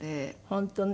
本当ね。